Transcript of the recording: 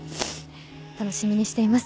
楽しみにしています。